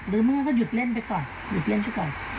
หรือมึงก็หยุดเล่นไปก่อนหยุดเล่นไปก่อน